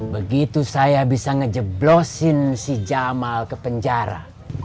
begitu saya bisa ngejeblosin si jamal ke penjara